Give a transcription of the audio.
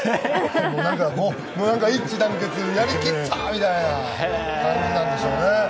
なんか一致団結、やりきったーみたいな感じなんでしょうね。